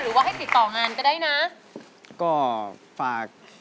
หรือว่าให้ติดต่องานก็ได้นะ